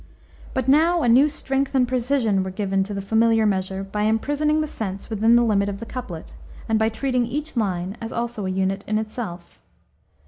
But now a new strength and precision were given to the familiar measure by imprisoning the sense within the limit of the couplet, and by treating each line as also a unit in itself.